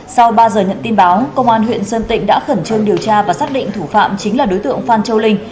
sau ba giờ nhận tin báo công an huyện sơn tịnh đã khẩn trương điều tra và xác định thủ phạm chính là đối tượng phan châu linh